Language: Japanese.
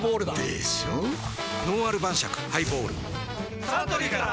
「のんある晩酌ハイボール」サントリーから！